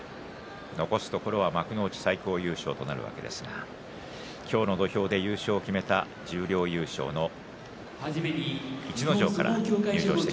残すところは幕内最高優勝となるわけですが今日の土俵で優勝を決めた十両優勝の逸ノ城からです。